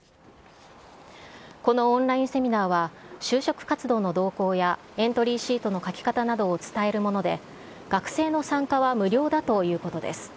このオンラインセミナーは、就職活動の動向や、エントリーシートの書き方などを伝えるもので、学生の参加は無料だということです。